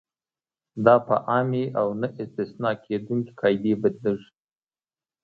دا په عامې او نه استثنا کېدونکې قاعدې بدلیږي.